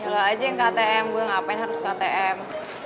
yalah aja yang ktm gua ngapain harus ktm